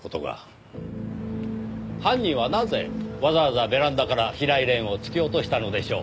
犯人はなぜわざわざベランダから平井蓮を突き落としたのでしょう？